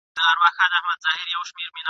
نظر غرونه چوي ..